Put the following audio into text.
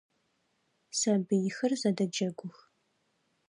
Сабыйхэр зэдэджэгух.